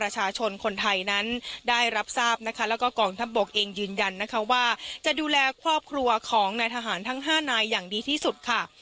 จะดูแลครอบครัวของนายทหารทั้ง๕นายอย่างดีที่สุดค่ะ